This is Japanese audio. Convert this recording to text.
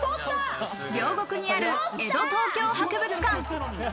両国にある江戸東京博物館。